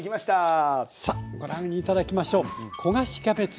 さあご覧頂きましょう。